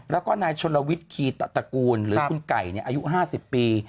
แล้วก็นายชนลวิทย์คีตะตระกูลหรือคุณไก่อายุ๕๐ปี